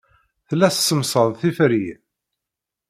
Tella tessemsad tiferyin.